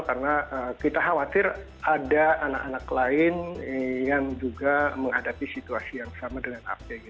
karena kita khawatir ada anak anak lain yang juga menghadapi situasi yang sama dengan ap